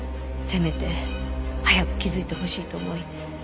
せめて早く気づいてほしいと思い